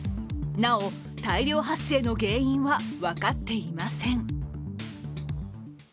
なお、大量発生の原因は分かっていません。